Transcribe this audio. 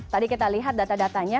tadi kita lihat data datanya